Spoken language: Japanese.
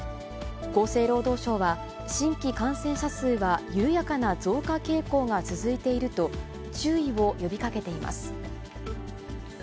厚生労働省は、新規感染者数は緩やかな増加傾向が続いていると、注意を呼びかけています。